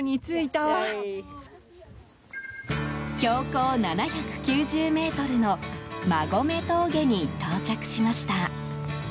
標高７９０ｍの馬籠峠に到着しました。